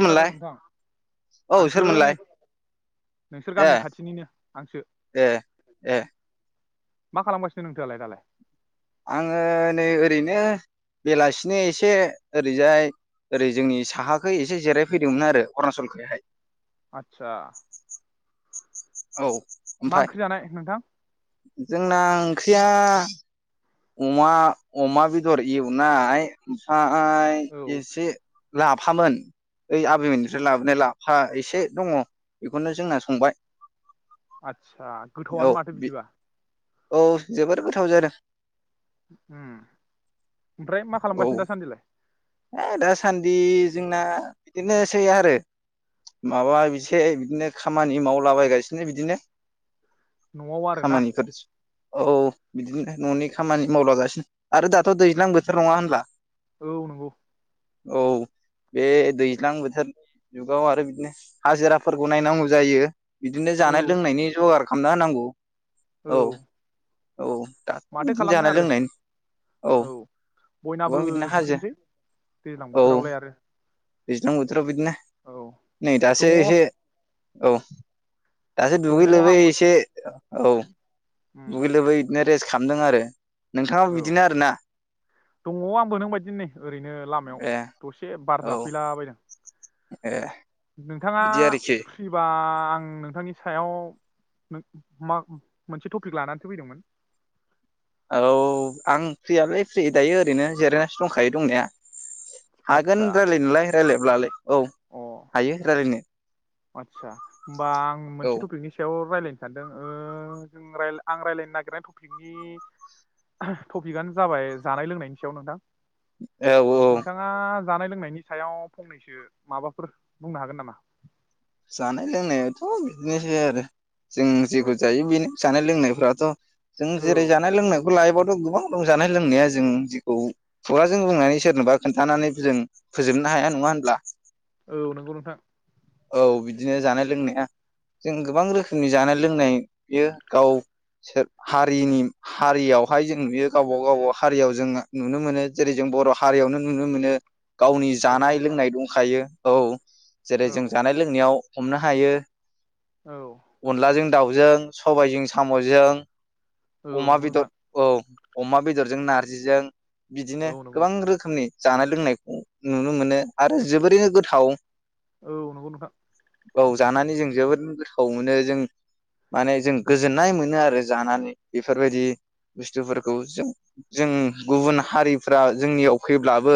अखोनादों नोंथां औ आंसो नै सोरमोनलाय नोंसोर ए गामि खाथिनिनो आंसो ए ए मा खालामगासिनो नोंथोआलाय दालाय? आङो नै ओरैनो बेलासिनि एसे ओरैजाय ओरै जोंनि साहाखै एसे जिरायफैदोंमोन आरो अरुणाचलखहाय आथचा औ ओमफाय नोंथां जोंना ओंख्रिया [inaudible] अमा अमा बेदर इयोनाय ओमफाय [unintelligible] औ एसे लाफामोन ओइ आबैमोननिफ्राय लाबोनाय लाफा एसे दङ बेखौनो जोंना संबाय। आदसा औ गोथावआनो माथो बिदिबा। औ जोबोर गोथाव जादों। उम ओमफ्राय मा खालामगासिनो दासान्दिलाय? है दासान्दि जोंना बिदिनोसै आरो माबा एसे बिदिनो खामानि मावलाबायगासिनो बिदिनो। नआव आरोना। खामानिफोर औ बिदिनो न'नि खामानि मावलागासिनो आरो दाथ' दैज्लां बोथोर नङा होनब्ला। औ नंगौ। औ बे दैज्लां बोथोर जुगाव आरो बिदिनो हाजिराफोरखौ नायनांगौ जायो। बिदिनो औ जानाय लोंनायनि जगार खामना होनांगौ। औ। औ। दाथ' माथो बिदिनो खालामनो जानाय लों आरो औ औ बयनाबो गोबां बिदिनो हाजो बिदिनोसै दैज्लां औ बोथोरावलाय आरो। दैज्लां बोथोराव बिदिनो। औ नै दङ दासो एसे औ। दासो दङ दुगै लोबै आंबो एसे औ उम दुगै लोबै बिदिनो रेस्ट खालामदों आरो। नोंथाङाबो औ बिदिनो आरोना दङ आंबो नों बायदि नै ओरैनो लामायाव ए दसे बार औ जा फैलाबायदों। ए। नोंथाङा बिदि आरोखि फ्रिबा आं नोंथांनि सायाव मा मोनसे टपिक लानानैसो फैदोंमोन। औ आं फ्रियालाय फ्रि दायो ओरैनो जिरायनानैसो दंखायो दंनाया। हागोन आतसा रायलायनोलाय। रायलायब्लालाय औ अ हायो रायलायनो। आदसा होमबा आं औ मोनसे टपिकनि सायाव रायलायनो सानदों जों आं रायज्लायनो नागिरनाय टपिकनि टपिकआनो जाबाय जानाय लोंनायनि सायाव नोंथां। औ औ नोंथाङा जानाय लोंनायनि सायाव फंनैसो माबाफोर बुंनो हागोन नामा? जानाय लोंनायाथ' बिदिनोसै आरो। जों जेखौ औ जायो बेनो। जानाय लोंनायफ्राथ' जों औ जेरै जानाय लोंनाय बेखौ लायोबावथ' गोबां रंजानाय लोंनाया जों जेखौ खुगाजों बुंनानै सोरनोबा खोन्थानानै जों फोजोबनो हाया नङा होनब्ला। औ नंगौ नोंथां। औ बिदिनो जानाय लोंनाया जों गोबां रोखोमनि जानाय लोंनाय नुयो गाव हारिनि हारियावहाय जों नुयो गावबा गावा हारियाव जों नुनो मोनो जेरै जों बर' हारियावनो नुनो मोनो। गावनि औ नंगौ जानाय नोंथां लोंनाय दंखायो। औ जेरै जों औ जानाय लोंनायाव हमनो हायो। औ अनलाजों दाउजों, सबायजों, सामजों, औ अमा नंगौ बेदर नोंथां औ अमा बेदरजों नारजिजों बिदिनो औ नंगौ गोबां रोखोमनि। जानाय लोंनायखौ नुनो मोनो आरो जोबोरैनो गोथाव औ नंगौ नोंथां। औ जानानै जों जोबोद गोथाव मोनो जों माने जों गोजोननाय मोनो आरो जानानै बेफोरबायदि बुस्थुफोरखौ जों जों गुबुन हारिफ्रा जोंनियाव फैब्लाबो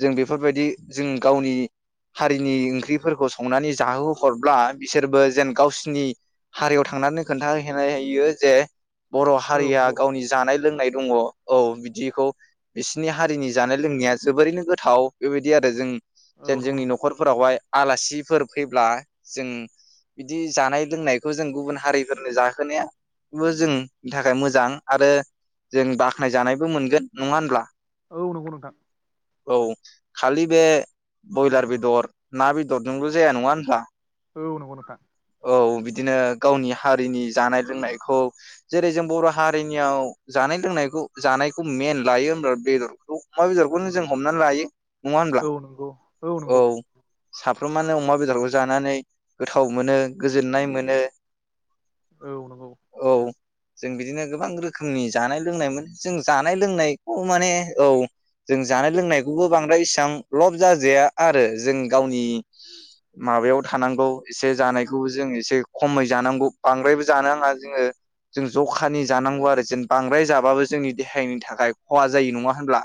जों बेफोरबायदि जों गावनि हारिनि ओंख्रिफोरखौ संनानै जाहोहरब्ला बिसोरबो जेन गावसिनि हारियाव थांनानै खोन्थाहैनो हायो जे बर औ हारिया नंगौ गावनि जानाय लोंनाय दङ औ बिदिखौ बिसिनि हारिनि जानाय लोंनाया जोबोरैनो गोथाव बेबायदि आरो जों औ जेन नंगौ जोंनि नोंथां नखरफोरावहाय आलासि फोर फैब्ला जों बिदि जानाय लोंनायखौ जों गुबुन हारिफोरनो जाहोनायाबो जोंनि थाखाय मोजां आरो जों बाख्नाय जानायबो मोनगोन नङा होनब्ला? औ नंगौ नोंथां। औ खालि बे ब्रयलार बेदर ना बेदर [unintelligible] जाया नङा होनबा? औ नंगौ नोंथां। औ बिदिनो गावनि हारिनि जानाय लोंनायखौ जेरै जों बर हारिनियाव जानाय लोंनायखौ जानायखौ मेन लायो होनबा बेदरखौ अमा बेदरखौनो जों हमनानै लायो। नङा होनब्ला औ नंगौ औ नंगौ। साफ्रोमानो अमा बेदरखौ जानानै गोथाव मोनो गोजोननाय मोनो। औ नंगौ। औ जों बिदिनो गोबां रोखोमनि जानाय लोंनायमोन जों जानाय लोंनायखौ माने औ जों जानाय लोंनायखौबो बांद्राय इसेबां लब जाजाया आरो जों गावनि माबायाव थानांगौ एसे जानायखौबो जों एसे खमै जानांगौ बांद्रायबो जानो नाङा जोङो जों जखानि जानांगौ आरो जेन बांद्राय जाबाबो जोंनि देहानि थाखाय खहा जायो नङा होनब्ला?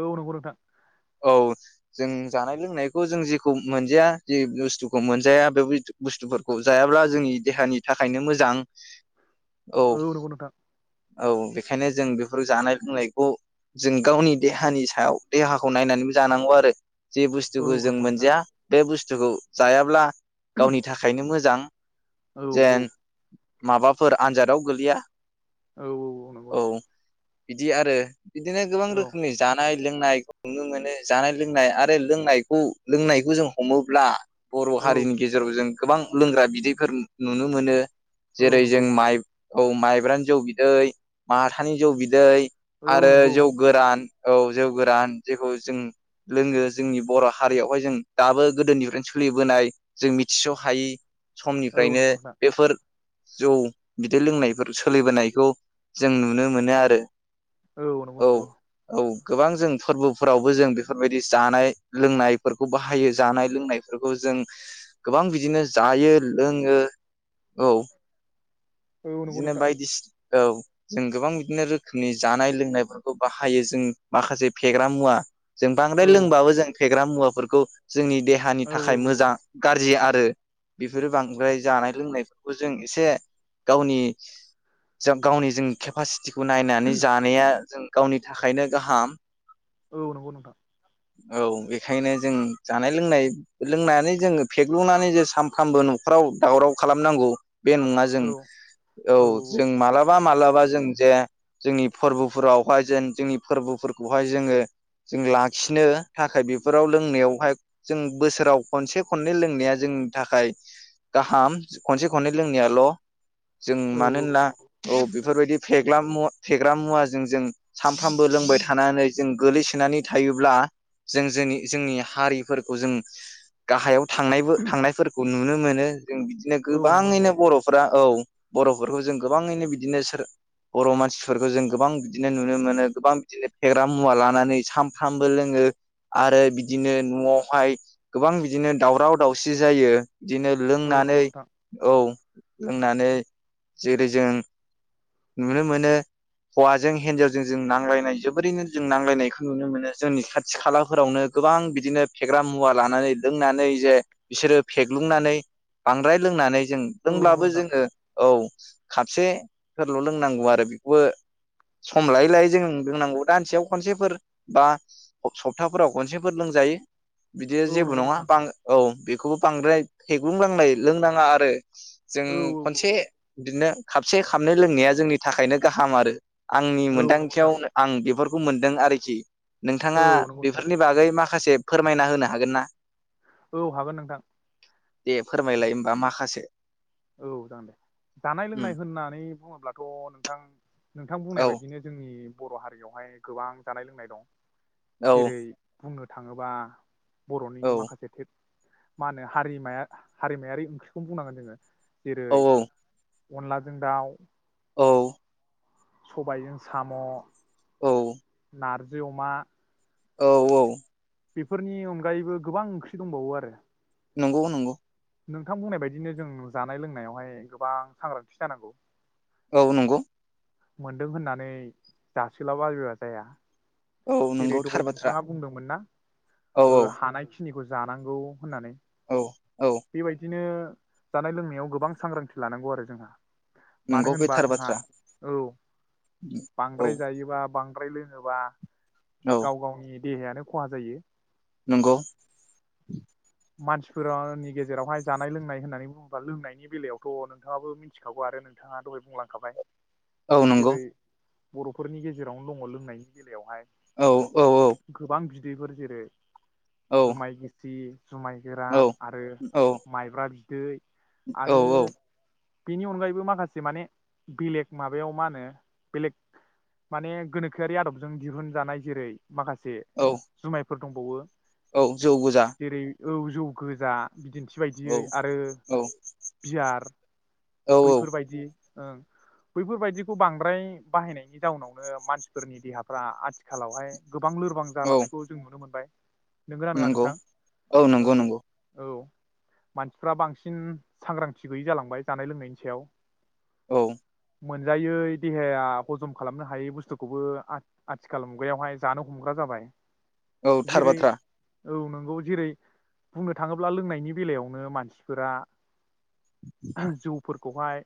औ नंगौ नोंथां। औ जों जानाय लोंनायखौ जों जि खौ मोनजाया जि बुस्थुखौ मोनजाया बे बुस्थुफोरखौ जायाब्ला जोंनि देहानि थाखायनो मोजां। औ नंगौ नोंथां। औ बेखायनो जों बेफोर जानाय लोंनायखौ जों गावनि देहानि सायाव देहाखौ नायनानैबो जानांगौ आरो। जि औ बुस्थुखौ जों नंगौ नोंथां मोनजाया बे बुस्थुखौ जायाब्ला गावनि थाखायनो मोजां। औ औ जेन माबाफोर आनजादाव गोलैया औ औ नंगौ नंगौ। औ बिदि आरो बिदिनो गोबां औ रोखोमनि जानाय लोंनाय नुनो मोनो जानाय लोंनाय आरो लोंनायखौ लोंनाय खौ जों हमोब्ला बर हारिनि औ गेजेराव जों गोबां लोंग्रा बिदैफोर नुनो मोनो। औ जेरै नंगौ जों माइ औ माइब्रानि जौ बिदै माथानि जौ बिदै औ आरो नंगौ जौ गोरान औ जौ गोरान जेखौ जों लोङो जोंनि बर हारियावहाय जों दाबो गोदोनिफ्रायनो सोलिबोनाय जों मिथिसहायि औ समनिफ्रायनो नंगौ नोंथां बेफोर जौ बिदै लोंनायफोर सोलिबोनायखौ जों नुनो मोनो आरो औ नंगौ नंगौ औ गोबां जों फोरबोफोरावबो जों बेफोरबायदि जानाय लोंनायफोरखौ बाहायो जानाय लोंनायफोरखौ जों गोबां बिदिनो जायो लोङो। औ औ नंगौ इदिनो नोंथां बायदिसि औ जों गोबां बिदिनो रोखोमनि जानाय लोंनायफोरखौ बाहायो जों माखासे फेग्रा मुवा जों औ बांद्राय लोंबाबो जों फेग्रा मुवा फोरखौ जोंनि देहानि औ थाखाय औ मोजा गाज्रि आ रो बेफोरो बांद्राय जानाय लोंनायफोरखौ जों एसे गावनि गावनि जों केपासिटि खौ नायनानै जानाया जों गावनि थाखायनो गाहाम। औ नंगौ नोंथां औ बेखायनो जों जानाय लोंनाय लोंनानै जोङो फेग्लुंनानै जे सानफ्रामबो नखराव दावराव खालामनांगौ बे नङा औ जों औ जों मालाबा माला बा जों जे जोंनि फोरबोफोरावहाय जेन जोंनि फोरबोफोरखौहाय जोङो जों लाखिनो थाखाय बेफोराव लोंनायावहाय जों बोसोराव खनसे खननै लोंनाया जोंनि थाखाय गाहाम खनसे खननै लोंनायाल जों औ मानो होन्ना औ बेफोरबायदि फेग्ला मुवा फेग्रा मुवाजों जों सानफ्रामबो लोंबाय थानानै जों गोलैसोनानै थायोब्ला जों जोंनि-जोंनि हारि फोरखौ जों गाहायाव थांनायबो थांनायफोरखौ नुनो मोनो जों बिदिनो नंगौ नंगौ गोबाङैनो बर फ्रा औ बरफोरखौ जों गोबाङैनो बिदिनो सोर बर मानसिफोरखौ जों गोबां बिदिनो नुनो मोनो गोबां बिदिनो फेग्रा मुवा लानानै सामफ्रामबो लोङो आरो बिदिनो नआव हाय गोबां बिदिनो दावराव दावसि जायो बिदिनो औ नंगौ लोंनानै नोंथां औ लोंनानै जेरै जों नुनो मोनो हौवाजों हिन्जावजों जों नांलायनाय जोबोरैनो जों नांलायनायखौ नुनो मोनो जोंनि खाथि खालाफोरावनो गोबां बिदिनो फेग्रा मुवा लानानै लोंनानै जे बिसोरो फेग्लुंनानै बांद्राय लोंनानै [unintelligible] औ लोंल्बा नंगौ बो नोंथां जोङो औ खापसेफोरल लोंनांगौ आरो बेखौबो सम लायै लायै जों लोंनांगौ दानसेयाव खनसेफोर बा सप्ताफोराव खनसेफोर लोंजायो बिदिया औ जेबो नंगौ नङा नोंथां बां औ बेखौबो बांद्राय फेग्लुंलांनाय लोंनाङा आरो जों औ खनसे बिदिनो खापसे खाबनै लोंनाया जोंनि थाखायनो गाहाम आरो आंनि औ नंगौ नोंथां मोन्दांथियावनो आं बेफोरखौ मोनदों आरोखि औ नोंथाङा नंगौ नोंथां बेफोरनि बागै मा खासे फोरमायना होनो हागोन ना औ हागोन नोंथां दे फोरमायलाय होमबा माखासे औ जागोन दे जानाय उम लोंनाय होननानै बुङोब्लाथ नोंथां नोंथां बुंनाय औ बायदिनो जोंनि बर हारियाव हाय गोबां जानाय लोंनाय दं औ जेरै बुंनो थाङोबा बरनिनो औ माखासे [unintelligible] मा होनो हारिमाया हारिमायारि ओंख्रिखौनो बुंनांगोन जोङो औ जेरै अनलाजों दाउ औ सबायजों साम औ नारजि अमा। औ औ बेफोरनि अनगायैबो गोबां ओंख्रि दंबावो आरो। नंगौ नंगौ। नोंथां बुंनाय बायदिनो जों जानाय लोंनायावहाय गोबां सांग्रांथि जानांगौ। औ नंगौ। मोनदों होननानै जासोलाबायबा जाया। औ जेरै नंगौ थार दहाय बाथ्रा नोंथाङा बुंदोंमोन ना औ ओ औ हानायखिनि खिनिखौ जानांगौ होननानै। औ औ बेबायदिनो जानाय लोंनायाव गोबां सांग्रांथि लानांगौ आरो जोंहा नंगौ मानो बे होनबा थार जोंहा बाथ्रा औ औ बांद्राय जायोबा बां द्राय लोङोबा औ गाव गावनि देहायानो खहा जायो। नंगौ। मानसिफोरानि गेजेरावहाय जानाय लोंनाय होननानै बुङोब्ला लोंनायनि बेलायावथ' नोंथाङाबो मिथिखागौ आरो नोंथाङा दहाय बुंलांखाबाय औ नंगौ। जेरै बर'फोरनि गेजेरावनो दङ लोंनायनि बेलायावहाय औ औ औ बेफोर जेरै औ जुमाय गिसि जुमाय औ गोरान आरो माइब्रा बि दै औ औ बेनि अनगायैबो माखासे माने बेलेग माबायाव मा होनो बेलेग माने गोनोखोआरि आदबजों दिहुनजानाय जेरै माखासे औ जुमाय फोर दंबावो। औ जौ गोजा जेरै औ जौ गोजा बिदिन्थि औ बायदियै आरो औ बियार औ बैफोर बायदि ओं बैफोर बायदिखौ बांद्राय बाहायनायनि जाउनावनो मानसिफोरनि देहाफ्रा आथिखालावहाय गोबां लोरबां औ जालांनायखौ जों नुनो मोनबाय। नोंगो ना नोङा नंगौ नोंथां? औ नंगौ नंगौ। औ मानसिफ्रा बांसिन सांग्रांथि गैयि जालांबाय जानाय लोंनायनि सायाव औ। मोनजायै देहाया हजम खालामनो हायै बुस्थुखौबो आ-आथिखाल मुगायावहाय जानो हमग्रा जाबाय औ थार जेरै बाथ्रा औ नोंगौ जेरै। बुंनो थाङोब्ला लोंनायनि बेलायावनो मानसिफोरा जौफोर गहाय।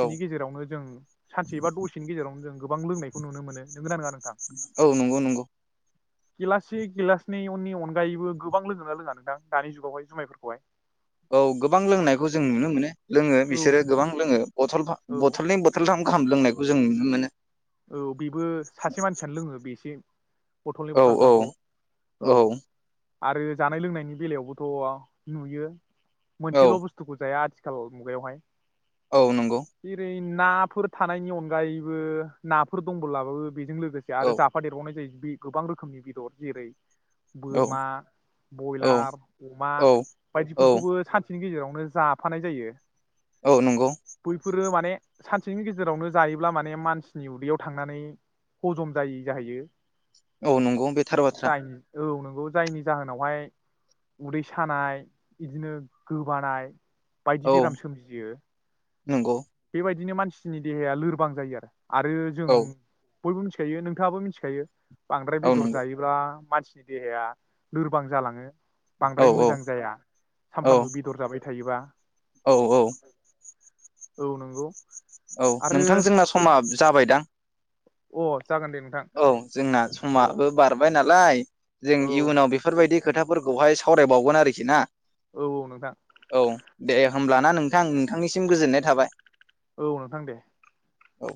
औ गेजेरावनो जों सानसे एबा दसेनि गेजेरावनो जों गोबां लोंनायखौ नुनो मोनो नोंगोना नोङा नोंथां। औ नंगौ नंगौ गिलासि गिलासनैय निय अनगायैबो गो गोबां लोंगोना लोङा नोंथां दानि जुगावहाय जुमायफोरखौहाय। औ गोबां लोंनायखौ जों नुनो मोनो। लोङो बिसोरो औ गोबां लोङो बलफा औ बथलनै बथल थां। खाम लोंनायखौ जों नुनो मोनो। औ बेबो सासे मानसियानो लोङो बेसे बथलनै औ औ बथलथामखौ औ। आरो जानाय लोंनायनि बेलायावबोथ' नुयो। औ मोनसेल' बुस्थुखौ जाया आथि खाल' मुगायावहाय। औ नंगौ। जेरै नाफोर थानायनि अनगायैबो। नाफोर दंबोलाबाबो। बेजों लोगोसे औ आरो जाफादेरबावनाय जायो जो फि गोबां रोखोमनि बेदर जेरै औ बोरमा औ बयलार अमा औ औ बायदिफोरखौबो सानसे बिनि गेजेरावनो जाफानाय जायो। औ नंगौ बैफोरो माने सानसेनि गेजेरावनो जायोब्ला माने मानसि नि उदैयाव थांनानै हजम जायि जाहैयो। औ नंगौ बे थार बाथ्रा। ग जायनि जाहोनावहाय उदै सानाय इदिनो गोबानाय बायदि औ बेराम सोमजियो नंगौ। बेबायदिनो मानसिनि देहाया लोरबां जायो आरो। आरो जों औ बयबो मिथिखायो नोंथाङाबो मिथिखायो। बांद्राय औ बेदर नंगौ जायोबा मानसिनि देहाया लोरबां जालाङो। औ बांद्राय औ मोजां जाया औ सामफ्रामबो बेदर जाबाय थायोबा। औ औ नंगौ। औ आरो नोंथां जोंना समा जाबायदां? अ। जागोन दे नोंथां औ जोंना औ समाबो बारबाय नालाय। जों औ इयुनाव बेफोरबायदि खोथाफोरखौहाय सावरायबावगोन आरोखि ना? औ औ नोंथां औ दे। होमब्लाना नोंथां नोंथांनिसिम गोजोननाय थाबाय। औ नोंथां दे। औ।